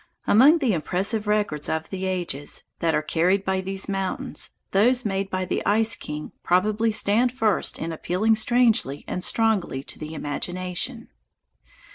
Among the impressive records of the ages that are carried by these mountains, those made by the Ice King probably stand first in appealing strangely and strongly to the imagination.